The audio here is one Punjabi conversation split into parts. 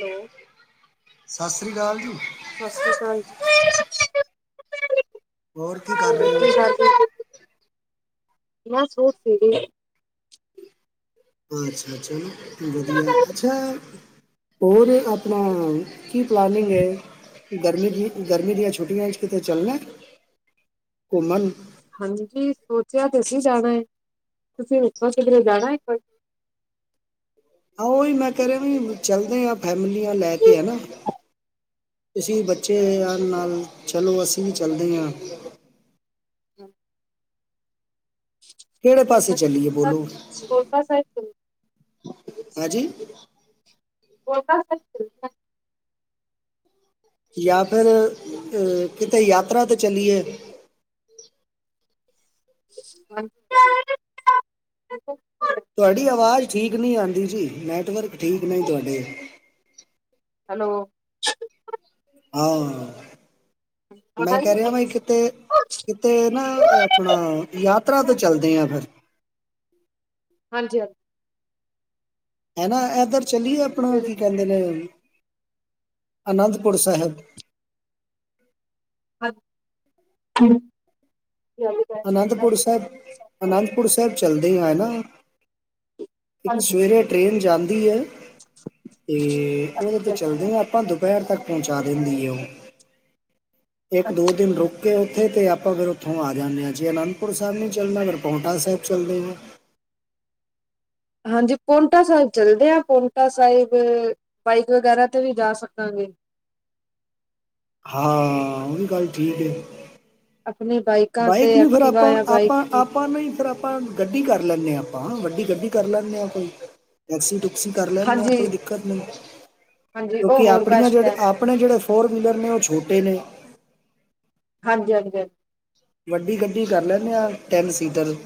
ਹੈਲੋ। ਸਤਿ ਸ੍ਰੀ ਅਕਾਲ ਜੀ। ਸਤਿ ਸ੍ਰੀ ਅਕਾਲ ਜੀ ਹੋਰ ਕੀ ਕਰ ਰਹੇ ਹੋ [unintelligible] ਮੈਂ ਸੂਟ ਸੀ। [unintelligible] ਅੱਛਾ-ਅੱਛਾ ਵਧੀਆ, ਅੱਛਾ। ਹੋਰ ਆਪਣਾ ਕੀ ਪਲਾਨਿੰਗ ਏ? ਗਰਮੀ ਦੀ ਗਰਮੀ ਦੀਆੰ ਛੁੱਟੀਆਂ ਚ ਕਿਤੇ ਚੱਲਨਾ ਘੁੰਮਨ? ਹਾਂਜੀ ਸੋਚਿਆ ਤੇ ਸੀਂ ਜਾਣਾ ਏ, ਤੁਸੀਂ ਇਥੋਂ ਕਿਧਰੇ ਜਾਣਾ ਏ ਕੋਈ? ਹਾਂ ਉਹੀ ਮੈਂ ਕਹਿ ਰਿਹਾ ਵੀ ਚੱਲਦੇ ਆ ਫੈਮਲੀਆਂ ਲੈ ਕੇ ਹੈਨਾ। ਤੁਸੀਂ ਬੱਚ੍ਯਾਂ ਨਾਲ ਚਲੋ ਅਸੀਂ ਵੀ ਚੱਲਦੇ ਆਂ। [unintelligible] ਕੇੜੇ ਪਾਸੇ ਚੱਲੀਏ ਬੋਲੋ, ਕੋਲਕਾ ਸਾਈਡ ਚਲ ਹਾਂਜੀ? [unintelligible] ਯਾ ਫੇਰ ਕਿਤੇ ਯਾਤਰਾ ਤੇ ਚੱਲੀਏ? [unintelligible] ਤੁਵਾਡੀ ਆਵਾਜ਼ ਠੀਕ ਨੀ ਆਂਦੀ ਜੀ ਨੈਟਵਰਕ ਠੀਕ ਨਹੀ ਤੁਵਾਡੇ। ਹੈਲੋ ਹ [inaudible] [unintelligible] ਮੈਂ ਕਹ ਰਹਯਾਂ ਬਈ ਕਿਤੇ, ਕਿਤੇ ਨਾ ਆਪਣਾ ਯਾ ਯਾਤਰਾ ਤੇ ਹਾਂਜੀ-ਹਾਂਜੀ ਚੱਲਦੇ ਆ ਫੇਰ। ਹਾਂਜੀ-ਹਾਂਜੀ। ਹੈ ਨਾ ਏਧਰ ਚੱਲੀਏ ਆਪਣਾ ਫੇਰ ਕੀ ਕਹਿੰਦੇ ਨੇ ਅਨੰਦਪੁਰ ਸਾਹਿਬ? [unintelligible] ਅਨੰਦਪੁਰ ਸਾਹਿਬ ਅਨੰਦ ਅਨੰਦ ਪੁਰ ਸਾਹਿਬ ਚੱਲਦੇ ਆ ਹੈਨਾ, ਇੱਕ ਸਵੇਰੇ ਟ੍ਰੇਨ ਜਾਂਦੀ ਏ ਤੇ ਉਦੇ ਤੇ ਜੀ। ਚੱਲਦੇ ਆਂ ਆਪਾਂ ਦੁ ਦੁਪਹਿਰ ਤੱਕ ਪਹੁੰਚਾ ਦੇਂਦੀ ਏ ਉਹ ਇੱਕ ਦੋ ਦਿਨ ਰੁਕ ਤੇ ਉੱਥੇ ਤਾਂ ਆਪਾਂ ਫੇਰ ਉੱਥੋਂ ਆ ਜਾਂਨੇ ਆਂ ਜੇ ਅਨੰਦਪੁਰ ਸਾਹਿਬ ਨਹੀਂ ਚੱਲਣਾ ਫੇਰ ਪੌਟਾ ਸਾਹਿਬ ਚੱਲਦੇ ਆਂ। ਹਾਂਜੀ ਪੋਂਟਾ ਸਾਹਿਬ ਚਲਦੇ ਆਂ ਪੋਂਟਾ ਸਾਹਿਬ ਬਾਈਕ ਵਗੈਰਾ ਤੇ ਵੀ ਜਾ ਸਕਾਂਗੇ। ਹਾਂ। ਓ ਵੀ ਗੱਲ ਠੀਕ ਏ। ਆਪਣੀ ਬਾਈਕਾਂ ਤੇ ਬਾਾਈਕ ਕਿਉਂ ਖਰਾਤਾ ਐਕਟਿਵਾ ਜਾਂ ਆਪਾਂ- ਬਾਈਕ ਆਪਾਂ ਤੇ ਆਪਾਂ ਨਹੀਂ ਫੇਰ ਆਪਾਂ। ਗੱਡੀ ਕਰ ਲੈਂਨੇ ਹਾਂ। ਆਪਾਂ ਵੱਡੀ ਗੱਡੀ ਕਰ ਲੈਂਨੇ ਹਾਂ। ਕੋਈ ਟੈਕਸੀ-ਟੁਕਸੀ ਕਰ ਲੈਂਨੇ ਹਾਂ ਹਾਂਜੀ ਕੋਈ ਦਿੱਕਤ ਨਹੀਂ। ਹਾਂਜੀ ਉਹ ਕਿਉਂਕਿ ਹੋਰ ਆਪਣੀਆਂ ਬੈਸਟ ਜਿਹੜੇ ਹੈ ਆਪ ਆਪਣੇ ਜਿਹੜੇ ਫੋਰ ਵੀਲਰ ਨੇ ਉਹ ਛੋਟੇ ਨੇ ਹਾਂਜੀ ਹਾਂਜੀ ਹਾਂਜੀ। ਵੱਡੀ ਗੱਡੀ ਕਰ ਲੈਂਦੇ ਆ, ਟੈਨ ਸੀਟਰ ਦੀ।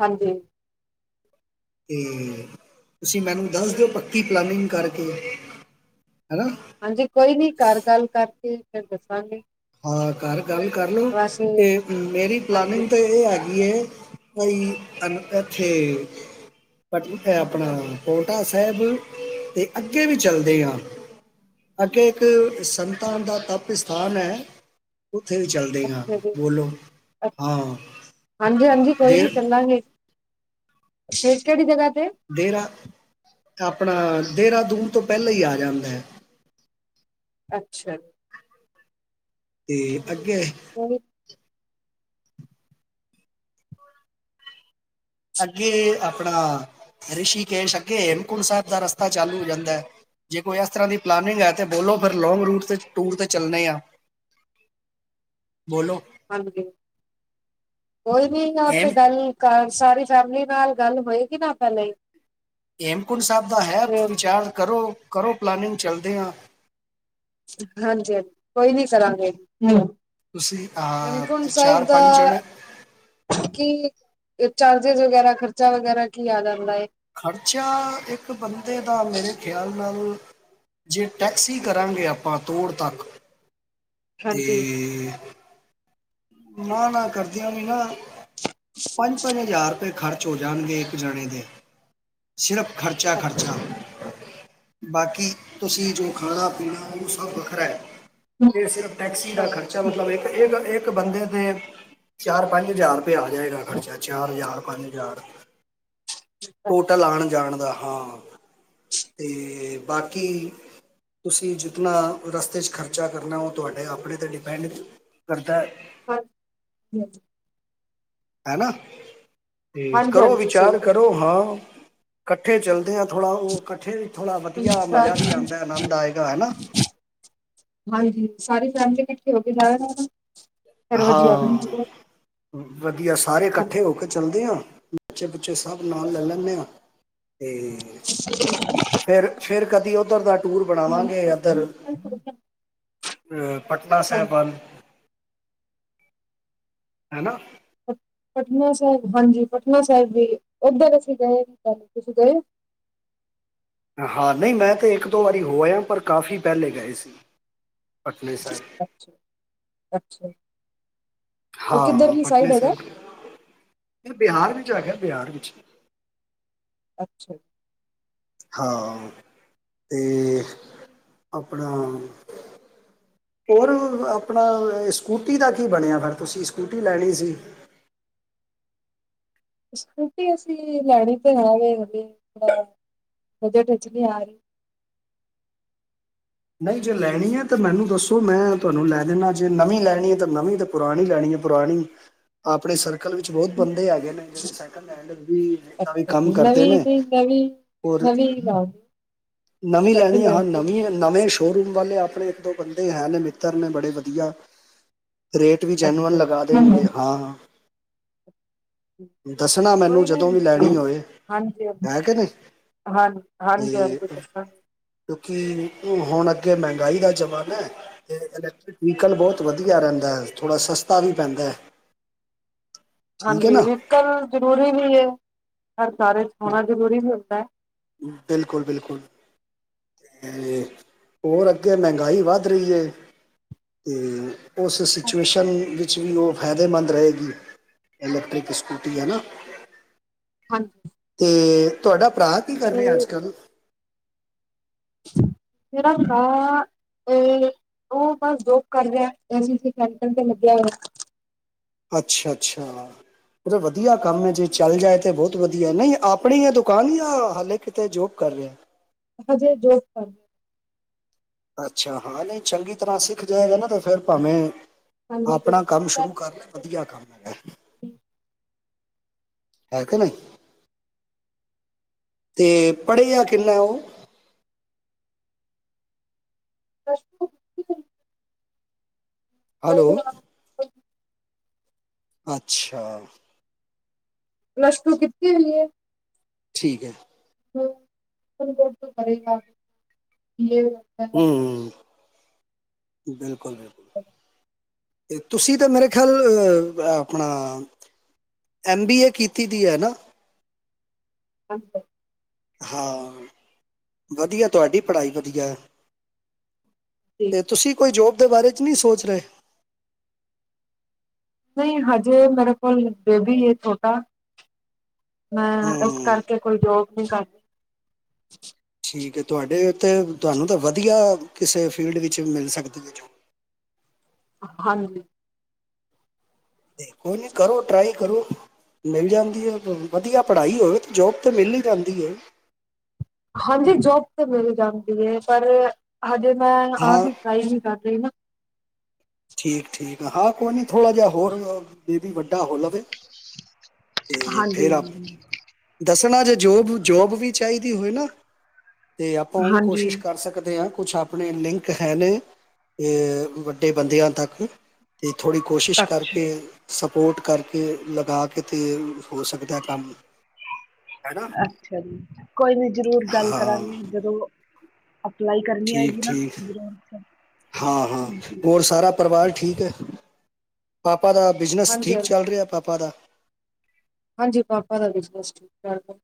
ਹਾਂਜੀ। ਤੇ ਤੁਸੀਂ, ਮੈਨੂੰ ਦੱਸ ਦਿਓ ਪੱਕੀ ਪਲਾਨਿਂਗ ਕਰਕੇ ਹੈਨਾ। ਹਾਂਜੀ। ਕੋਈ ਨੀ ਘਰ ਗੱਲ ਕਰਕੇ ਫੇਰ ਦੱਸਾਂਗੀ। ਹਾਂ ਘਰ ਗੱਲ ਕਰ ਲੋ। ਤੇ ਮੇਰੀ ਹਾਂਜੀ ਪਲਾਨਿੰਗ ਤਾਂ ਇਹ ਹੈਗੀ ਏ। ਕਈ ਏਨੂੰ ਐਥੇ ਆਪਣੀ ਫੈਮਿਲੀ ਨਾਲ, ਪੋਂਟਾ ਸਾਹਿਬ ਦੇ ਅੱਗੇ ਵੀ ਚੱਲਦੇ ਹਾਂ। ਅੱਗੇ ਇੱਕ ਸੰਤਾ ਦਾ ਤਪ ਸਥਾਨ ਹੈ। ਉੱਥੇ ਵੀ ਚਲ ਅੱਛਾ ਜੀ। ਅ ਹਾਂਜੀ-ਹਾਂਜੀ ਕੋਈ ਨੀ ਦੇਰ ਚੱਲਾਂਗੇ। ਸ਼ਿਵਕੇ ਦੀ ਜਗ੍ਹਾ ਤੇ। ਡੇਰਾ। ਆਪਣਾ ਦੇਰਾਦੂਨ ਤੋਂ ਪਹਿਲਾਂ ਹੀ ਆ ਜਾਂਦਾ ਐ। ਅੱਛਾ। ਤੇ ਅੱਗੇ ਉਹ ਵੀ ਅੱਗੇ ਆਪਣਾ। ਰਿਸ਼ੀਕੇਸ਼ ਅੱਗੇ ਹੇਮਕੁੰਟ ਸਾਹਿਬ ਦਾ ਰਸਤਾ ਚਾਲੂ ਹੋ ਜਾਂਦੈ। ਜੇ ਕੋਈ ਇਸ ਤਰ੍ਹਾਂ ਦੀ ਪਲਾਨਿੰਗ ਲੈ ਕੇ ਗਿਓ। ਤੇ ਫਿਰ ਲੌਂਗ ਰੂਟ ਤੇ ਟੂਰ ਤੇ ਚੱਲਣੇ ਆ। ਬੋਲੋ। ਹਾਂਜੀ। ਕੋਈ ਵੀ ਆਪੇ ਹੇਮ ਗੱਲ ਘਰ ਸਾਰੀ ਫੈਮਿਲੀ ਨਾਲ ਗੱਲ ਹੋਏਗੀ ਨਾ ਪਹਿਲੇ। ਹੇਮਕੁੰਟ ਸਾਹਿਬ ਦਾ ਹੈ ਤੇ ਵਿਚਾਰ ਕਰੋ। ਕਰੋ ਪਲਾਨਿੰਗ ਚਲਦੇ ਆ। ਹਾਂਜੀ ਹਾਂਜੀ ਕੋਈ ਨੀ ਕਰਾਂਗੇ ਜੀ। ਤੁਸੀਂ ਆ ਚਾਰ-ਪੰਜ ਜਾਣੇ ਕੀ ਚਾਰਜਿਸ ਵਗੈਰਾ। ਖਰਚਾ ਵਗੈਰਾ ਕੀ ਆ ਜਾਂਦਾ ਏ? ਖ਼ਰਚਾ ਇੱਕ ਬੰਦੇ ਦਾ ਮੇਰੇ ਖਿਆਲ ਨਾਲ! ਜੇ ਟੈਕਸੀ ਕਰਾਂਗੇ ਆਪਾਂ ਤੋੜ ਤੱਕ ਤੇ ਹਾਂਜੀ ਨਾ- ਨਾ ਕਰਦਿਆਂ ਵੀ ਨਾ ਪੰਜ-ਪੰਜ ਹਜ਼ਾਰ ਰੁ ਖਰਚ ਹੋ ਜਾਣਗੇ ਇੱਕ ਜਣੇ ਦੇ ਸਿਰਫ਼ ਖਰਚਾ-ਖਰਚਾ। ਬਾਕੀ ਤੁਸੀਂ ਜੋ ਖਾਣਾ ਪੀਣਾ ਉਹ ਸਭ ਵੱਖਰਾ ਹੈ। ਹਾਂਜੀ ਕਿ ਸਿਰਫ ਟੈਕਸੀ ਦਾ ਹਾਂਜੀ ਖਰਚਾ। ਮਤਲਬ ਇੱਕ- ਇੱਕ ਬੰਦੇ ਤੇ ਚਾਰ -ਪੰਜ ਹਜ਼ਾਰ ਰੁਪਇਆ ਆ ਜਾਏਗਾ ਖਰਚਾ। ਚਾਰ ਹਜ਼ਾਰ, ਪੰਜ ਹਜ਼ਾਰ। ਹਾਂਜੀ ਹੋਟਟਲ ਆਣ ਜਾਣ ਦਾ ਹਾਂ। ਤੇ ਬਾਕੀ ਤੁਸੀਂ ਜਿਤਨਾ ਰਸਤੇ 'ਚ ਖਰਚਾ ਕਰਨਾ। ਉਹ ਤੁਹਾਡੇ ਆਪਣੇ 'ਤੇ ਡਿਪੈਂਡ ਕਰਦੈ। ਹੂੰ ਹੂੰ ਹਨਾ‌ਤੇ ਹਾਂਜੀ ਕਰੋ ਹਾਂਜੀ ਸਹੀ ਵਿਚਾਰ ਕਰੋ ਹਾਂ। ਇਕੱਠੇ ਚਲਦੇ ਆਂ। ਥੋੜਾ ਉਹ ਇਕੱਠੇ ਵੀ, ਥੋੜਾ ਗੱਲ ਵਧੀਆ ਸਾ- ਮਜ਼ਾ ਵੀ ਆਂਦੈ, ਆਨੰਦ ਆਏਗਾ ਹਨਾ। ਹਾਂਜੀ। ਸਾਰੀ ਫੈਮਲੀ ਇਕੱਠੇ ਹੋ ਕੇ ਜਾ ਵਧੀਆ ਹਾਂ। ਬਣੇਗਾ। ਵਧੀਆ ਸਾਰੇ ਇਕੱਠੇ ਹਾਂਜੀ ਹੋ। ਚੱਲਦੇ ਆਂ ਬੱਚੇ ਬੱਚੇ ਸਭ ਨਾਲ ਲੈ ਲੈਂਦੇ ਹਾਂ ਤੇ [unintelligible] ਫਿਰ-ਫਿਰ ਕਦੀ ਉੱਧਰ ਦਾ ਟੂਰ ਬਣਾਵਾਂਗੇ। ਇੱਧਰ ਹਾਂਜੀ ਅ ਪਟਨਾ ਸਾਹਿਬਾਨ ਹੈਨ। ਹੈਨਾ। ਪਟਨਾ ਸਾਹਿਬ ਹਾਂਜੀ ਪਟਨਾ ਸਾਹਿਬ ਵੀ ਉੱਧਰ ਅਸੀਂ ਗਏ ਸੀ ਪਲ ਤੁਸੀਂ ਗਏ ਹੋ। ਹਾਂ ਨਹੀਂ ਮੈਂ ਤੇ ਇੱਕ ਦੋ ਵਾਰੀ ਹੋਇਆ ਪਰ ਕਾਫ਼ੀ ਪਹਿਲੇ ਗਏ ਸੀ। ਪਟਨੇ ਸਾਹਿਬ ਅੱਛਾ -ਅੱਛਾ ਉਹ ਹਾਂ ਕਿੱਧਰਲੀ ਸਾਈਡ ਪਟਨਾ ਹੈਗਾ ਸਾਹਿਬ ਬਿਹਾਰ ਵਿੱਚ ਹੈਗਾ ਬਿਹਾਰ ਵਿੱਚ ਅੱਛਾ ਜੀ। ਹਾਂ ਤੇ ਆਪਣਾ ਔਰ ਆਪਣਾ ਸਕੂਟੀ ਦਾ ਕੀ ਬਣਿਆ ਫਿਰ ਤੁਸੀਂ ਸਕੂਟੀ ਲੈਣੀ ਸੀ। ਸਕੂਟੀ ਅਸੀਂ ਲੈਣੀ ਤੇ ਹੈ ਵੇ ਹਲੇ ਥੋੜਾ ਬਜਟ ਵਿੱਚ ਨਹੀਂ ਆ ਰਹੀ। ਨਹੀਂ ਜੇ ਲੈਣੀ ਹੈ ਤਾਂ ਮੈਨੂੰ ਦੱਸੋ ਮੈਂ ਤੁਹਾਨੂੰ ਲੈ ਦੇਣਾ ਜੇ ਨਵੀਂ ਲੈਣੀ ਹੈ ਤਾਂ ਨਵੀਂ ਪੁਰਾਣੀ ਲੈਣੀ ਹੈ ਪੁਰਾਣੀ ਆਪਣੇ ਸਰ ਕਲ ਵਿੱਚ ਬਹੁਤ ਬੰਦੇ ਹੈਗੇ ਨੇ ਜਿਹੜੇ ਸਕਿੰਡ ਹੈਂਡ ਵੀ ਕੰਮ ਕਰਦੇ ਨੇ। ਔਰ ਨਵੀਂ-ਨਵੀਂ [unintelligible] ਨਵੀਂ ਲੈਣੀ ਆ ਹਾਂ ਨਵੀਂ ਨਵੇਂ ਸ਼ੋਅਰੂਮ ਵਾਲੇ ਆਪਣੇ ਇੱਕ ਦੋ ਬੰਦੇ ਹੈ ਨੇ ਮਿੱਤਰ ਨੇ ਬੜੇ ਵਧੀਆ ਰੇਟ ਵੀ ਜੈਨੂਅਨ ਅੱਛਾ ਲੱਗਾ ਦੇਣਗੇ ਜੀ, ਹਾਂ-ਹਾਂ। ਕੋਈ ਨੀ ਜਦੋਂ ਵੀ ਲੈਣੀ ਹੋਏ ਹਾਂਜੀ ਆ। ਹਾਂਜੀ- ਹੈ ਕਿ ਨਹੀਂ ਹਾਂਜੀ -ਹਾਂਜੀ ਦੱਸੋ। ਕਿਉਕਿ ਹੁਣ ਅੱਗੇ ਮਹਿੰਗਾਈ ਦਾ ਜ਼ਮਾਨਾ। ਤੇ ਇਲੈਕਟ੍ਰਿਕ ਵਹੀਕਲ ਬਹੁਤ ਵਧੀਆ ਰਹਿੰਦਾ ਹੈ ਥੋੜਾ ਸਸਤਾ ਵੀ ਪੈਂਦਾ। [inaudible] ਹਾਂਜੀ ਵੀਕਲ ਜ਼ਰੂਰੀ ਵੀ ਹੈ ਹਰ ਸਾਰੇ ਸਖਾਂਣਾ ਜ਼ਰੂਰੀ ਵੀ ਹੁੰਦਾ। ਬਿਲਕੁਲ- ਬਿਲਕੁਲ ਅਤੇ ਹੋਰ ਅੱਗੇ ਮਹਿੰਗਾਈ ਵੱਧ ਰਹੀ ਹੈ ਤੇ ਉਸ ਹੈ ਸਿਚੁਏਸ਼ਨ ਵਿੱਚ ਵਿੱਚ ਵੀ ਉਹ ਫਾਇਦੇਮੰਦ ਰਹੇਗੀ ਇਲੈਕਟ੍ਰਿਕ ਸਕੂਟੀ ਹੈ ਨਾ। ਹਾਂਜੀ ਤੇ ਤੁਹਾਡਾ ਭਰਾ ਕੀ ਕਰ ਰਿਹਾ ਅੱਜ ਤੇ ਕੱਲ ਮੇਰਾ ਭਰਾ ਤੇ ਉਹ ਬਸ ਜੋਬ ਕਰ ਰਿਹਾ ਅਸੀਂਥੇ ਕੈ [unintelligible] ਤੇ ਲੱਗਿਆ ਹੋਇਆ। ਅੱਛਾ- ਅੱਛਾ ਉਹ ਵਧੀਆ ਕੰਮ ਹੈ ਜੇ ਚੱਲ ਜਾਏ ਤੇ ਬਹੁਤ ਵਧੀਆ ਨਹੀਂ ਆਪਣੀ ਆ ਦੁਕਾਨ ਹੀ ਆ ਹਲੇ ਕਿਤੇ ਜੋਬ ਕਰ ਰਿਹਾ। ਅਜੇ ਜੋਬ ਕਰ ਰਿ ਅੱਛਾ ਹਾਂ ਨਹੀਂ ਚੰਗੀ ਤਰ੍ਹਾਂ ਸਿੱਖ ਜਾਏਗਾ ਨਾ ਤੇ ਫਿਰ ਭਾਵੇਂ ਹਾਂਜੀ ਆਪਣਾ ਕੰਮ ਸ਼ੁਰੂ ਕਰ ਲੈ ਵਧੀਆ ਕੰਮ ਹੈਗਾ। ਹੈ ਕਿ ਨਹੀਂ। ਤੇ ਪੜ੍ਹਿਆਿ ਕਿੰਨਾ ਉਹ [unintelligible] ਹੈਲੋ ਅੱਛਾ ਪਲੱਸ ਟੂ ਕੀਤੀ ਹੋਈ ਏ। ਠੀਕ ਹੈ। [unintelligible] ਹੂੰ ਬਿਲਕੁਲ ਬਿਲਕੁਲ [inaudible] ਤੁਸੀਂ ਤਾਂ ਮੇਰੇ ਖਿਆਲ ਆਪਣਾ ਐਮ ਬੀ ਏ ਕੀਤੀ ਦੀ ਹੈ ਨਾ। ਅੱਛਾ ਹਾਂ ਵਧੀਆ ਤੁਹਾਡੀ ਪੜ੍ਹਾਈ ਵਧੀਆ ਤੇ ਤੁਸੀਂ ਕੋਈ ਜੋਬ ਦੇ ਬਾਰੇ ਚ ਨਹੀਂ ਸੋਚ ਰਹੇ। ਨਹੀਂ ਹਜੇ ਮੇਰੇ ਕੋਲ ਬੇਬੀ ਏ ਛੋਟਾ ਮੈਂ ਇਸ ਹੂੰ ਕਰਕੇ ਕੋਈ ਰੋਕ ਨੀ ਸਕ ਠੀਕ ਹੈ ਤੁਹਾਡੇ ਉੱਤੇ ਤੁਹਾਨੂੰ ਤਾਂ ਵਧੀਆ ਕਿਸੇ ਫੀਲਡ ਵਿੱਚ ਮਿਲ ਸਕਦੀ ਹੈ ਜੋਬ ਹਾਂਜੀ। ਕੋਈ ਨੀ ਕਰੋ ਟ੍ਰਾਈ ਕਰੋ। ਮਿਲ ਜਾਂਦੀ ਏ ਵਧੀਆ ਪੜ੍ਹਾਈ ਹੋਵੇ ਤਾਂ ਜੋਬ ਤਾਂ ਮਿਲ ਹੀ ਜਾਂਦੀ ਏ। ਹਾਂਜੀ ਜੋਬ ਤੇ ਮਿਲ ਜਾਂਦੀ ਏ ਪਰ ਹਜੇ ਮੈਂ ਆਪ ਹਾਂ ਵੀ ਟਰਾਈ ਨੀ ਕਰ ਰਹੀ ਨਾ ਠੀਕ-ਠੀਕ ਹਾਂ ਕੋਈ ਨਹੀਂ ਥੋੜ੍ਹਾ ਜਿਹਾ ਹੋਰ ਬੇਬੀ ਵੱਡਾ ਹੋ ਲਵੇ ਤੇ ਫੇਰ ਆਪ ਦੱਸਣਾ ਜੇ ਜੋਬ-ਜੋਬ ਵੀ ਚਾਹੀਦੀ ਹੋਏ ਨਾ ਤੇ ਆਪਾਂ ਉਹ ਵੀ ਕੋਸ਼ਿਸ਼ ਕਰ ਸਕਦੇ ਹਾਂ ਕੁੱਛ ਆਪਣੇ ਲਿੰਕ ਹੈ ਨੇ ਵੱਡੇ ਬੰਦਿਆਂ ਤੱਕ ਅਤੇ ਥੋੜ੍ਹੀ ਕੋਸ਼ਿਸ਼ ਕਰਕੇ ਸਪੋਰਟ ਕਰਕੇ ਲਗਾ ਕੇ ਕਿਤੇ ਹੋ ਸਕਦਾ ਕੰਮ ਹੈ ਨਾ ਅੱਛਾ ਜੀ ਕੋਈ ਨੀ ਜਰੂਰ ਗੱਲ ਹਾਂ ਕਰਾਂਗੇ ਜਦੋਂ ਅਪਲਾਈ ਕਰਨੀ ਠੀਕ ਹੋਏਗੀ ਨਾ ਠੀਕ ਹਾਂ ਹਾਂ ਹੋਰ ਸਾਰਾ ਪਰਿਵਾਰ ਠੀਕ ਹੈ ਪਾਪਾ ਦਾ ਬਿਜਨਸ ਹਾਂਜੀ ਠੀਕ ਚੱਲ ਰਿਹਾ ਪਾਪਾ ਦਾ ਹਾਂਜੀ ਪਾਪਾ ਦਾ ਬਿਜਨਸ ਠੀਕ-ਠਾਕ ਏ।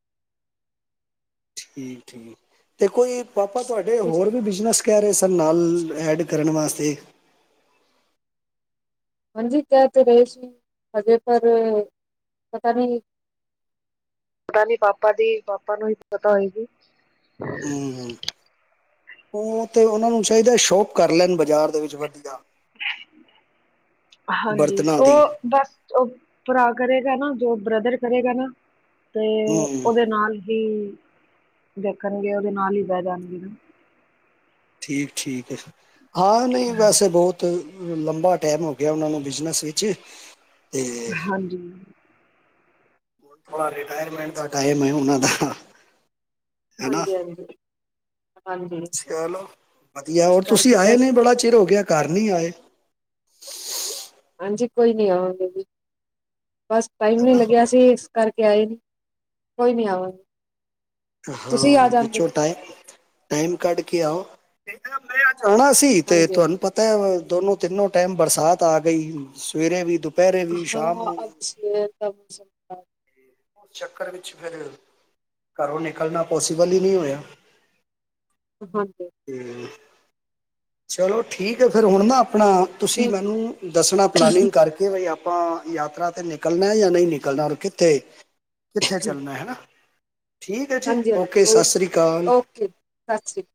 ਠੀਕ-ਠੀਕ ਤੇ ਕੋਈ ਪਾਪਾ ਤੁਹਾਡੇ ਹੋਰ ਵੀ ਬਿਜਨਸ ਕਹਿ ਰਹੇ ਸਨ ਨਾਲ ਐਡ ਕਰਨ ਵਾਸਤੇ। ਹਾਂਜੀ ਕਹਿ ਤੇ ਰਹੇ ਸੀ ਹਜੇ ਪਰ ਪਤਾ ਨਹੀਂ ਪਤਾ ਨੀ ਪਾਪਾ ਦੀ ਪਾਪਾ ਨੂੰ ਹੀ ਪਤਾ ਹੋਏਗੀ। ਹੂੰ ਉਹ ਤੇ ਉਹਨਾਂ ਨੂੰ ਚਾਹੀਦਾ ਸ਼ੋਪ ਕਰ ਲੈਣ ਬਾਜ਼ਾਰ ਦੇ ਵਿੱਚ ਵਧੀਆ ਹਾਂਜੀ, ਬਰਤਨਾਂ ਦੀ ਉਹ ਬਸ ਉਹ ਭਰਾ ਕਰੇਗਾ ਨਾ, ਜੋ ਬ੍ਰਦਰ ਕਰੇਗਾ ਨਾ, ਤੇ ਹਮ ਉਹਦੇ ਨਾਲ ਹੀ ਦੇਖਣਗੇ, ਉਹਦੇ ਨਾਲ ਹੀ ਬਹਿ ਜਾਣਗੇ ਠੀਕ-ਠੀਕ ਏ, ਹਾਂ ਨਹੀਂ ਵੈਸੇ ਬਹੁਤ ਲੰਬਾ ਟੈਮ ਹੋ ਗਿਆ ਉਹਨਾਂ ਨੂੰ ਬਿਜਨਸ ਵਿੱਚ ਤੇ ਹਾਂਜੀ ਥੋੜਾ ਰਿਟਾਇਰਮੈਂਟ ਦਾ ਟਾਈਮ ਹੈ ਉਹਨਾਂ ਦਾ ਹਨਾ ਹਾਂਜੀ-ਹਾਂਜੀ। ਚਲੋ ਵਧੀਆ ਇਸ ਹੋਰ ਤੁਸੀਂ ਕਰਕੇ ਆਏ ਨੇ ਬਸ ਬੜਾ ਚਿਰ ਹੋ ਗਿਆ ਘੱਰ ਨੀ ਆਏ ਹਾਂਜੀ ਕੋਈ ਨੀ ਆਵਾਂਗੇ ਜੀ ਬਸ ਟਾਈਮ ਨੀ ਹਨਾ ਲੱਗਿਆ ਸੀ। ਕਰਕੇ ਆਏ ਨੀ ਕੋਈ ਨੀ ਆਵਾਂਗੇ। ਤੁਸੀਂ ਆ ਹਾਂ ਜਾਂਦੇ ਵਿੱਚੋਂ ਟਾਈਮ-ਟਾਇਮ ਕੱਢ ਕੇ ਆਓ। ਤੇ ਹਾਂਜੀ ਹਾਂਜੀ, ਤੁਹਾਨੂੰ ਪਤਾ ਦੋਨੋ ਤਿੰਨੋ ਟਾਈਮ ਬਰਸਾਤ ਆ ਗਈ ਸਵੇਰੇ ਵੀ ਦੁਪਹਿਰੇ ਵੀ ਸ਼ਾਮ ਹਾਂ ਨੂੰ ਵੀ ਅੱਛ-ਤਛ ਉਸ ਚੱਕਰ ਵਿੱਚ ਫਿਰ ਘਰੋਂ ਨਿਕਲਣਾ ਪੋਸੀਬਲ ਹੀ ਨਹੀਂ ਹੋਇਆ। [unintelligible] ਹੂੰ। ਚਲੋ ਠੀਕ ਹੈ ਫੇਿਰ ਹੁਣ ਨਾ ਆਪਣਾ ਤੁਸੀਂ ਠੀਕ ਮੈਨੂੰ ਦੱਸਣਾ ਪਲਾਨਿੰਗ ਕਰਕੇ ਕਿ ਬਈ ਆਪਾਂ ਯਾਤਰਾ ਤੇ ਨਿਕਲਣਾ ਯਾਂ ਨਹੀਂ ਨਿਕਲਣਾ ਔਰ ਕਿੱਥੇ ਕਿੱਥੇ ਚੱਲਣਾ ਠੀਕ ਹੈ ਜੀ ਓਕੇ ਸਤਿ ਸ੍ਰੀ ਅਕਾਲ। ਓ ਸਤਿ ਸ਼੍ਰੀ